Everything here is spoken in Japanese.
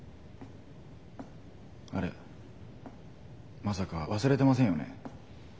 あれまさか忘れてませんよね。